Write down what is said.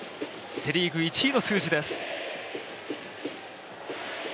セ・リーグ１位の数字です。